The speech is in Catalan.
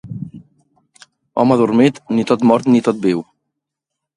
Home adormit, ni tot mort ni tot viu.